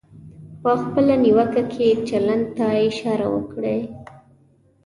په خپله نیوکه کې چلند ته اشاره وکړئ.